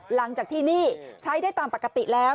หลังจากที่นี่ใช้ได้ตามปกติแล้ว